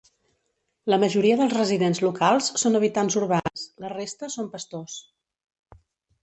La majoria dels residents locals són habitants urbans; la resta són pastors.